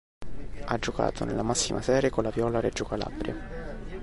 Ha giocato nella massima serie con la Viola Reggio Calabria.